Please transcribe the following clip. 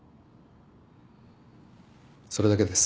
それだけです。